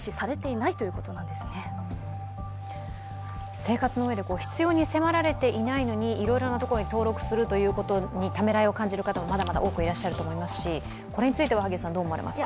生活のうえで必要に迫られていないのにいろいろなところに登録をすることにためらいを感じる方もまだまだ多くいらっしゃると思いますし、萩谷さんはどう思われますか？